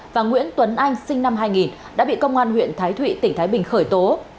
và nguyễn tuấn anh sinh năm hai nghìn đã bị công an huyện thái thụy tỉnh thái bình khởi tố